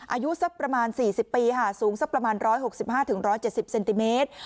อายุสักประมาณสี่สิบปีฮะสูงสักประมาณร้อยหกสิบห้าถึงร้อยเจ็ดสิบเซนติเมตร